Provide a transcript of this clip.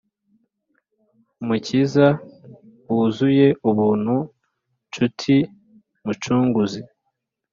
Mukiza wuzuye ubuntu nshuti mucunguzi